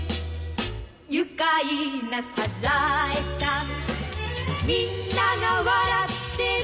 「愉快なサザエさん」「みんなが笑ってる」